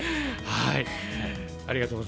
はい。